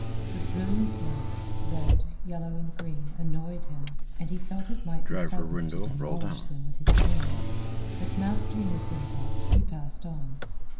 The brilliant lamps, red, yellow, and green annoyed him, and he felt it might be pleasant to demolish them with his cane, but mastering this impulse he passed on.